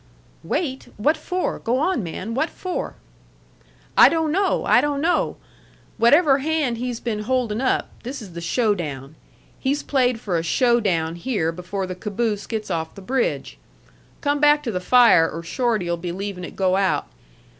"Wait? What for? Go on, man! What for?" "I don't know! I don't know! Whatever hand he's been holdin' up, this is the show down. He's played for a show down here before the caboose gets off the bridge. Come back to the fire, or Shorty'll be leavin' it go out.